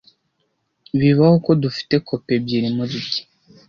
Bibaho ko dufite kopi ebyiri muri Rye.